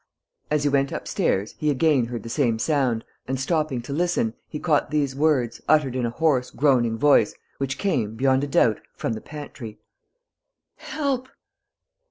As he went upstairs, he again heard the same sound and, stopping to listen, he caught these words, uttered in a hoarse, groaning voice, which came, beyond a doubt, from the pantry: "Help!...